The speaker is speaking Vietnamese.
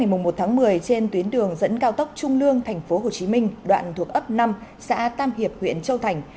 đối tượng đã được đưa về trên tuyến đường dẫn cao tốc trung lương thành phố hồ chí minh đoạn thuộc ấp năm xã tam hiệp huyện châu thành